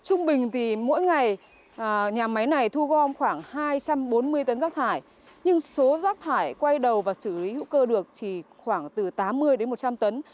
trung bình thì mỗi ngày nhà máy này thu gom khoảng hai trăm bốn mươi tấn rác thải nhưng số rác thải quay đầu và xử lý hữu cơ được chỉ khoảng từ tám mươi đến một trăm linh tấn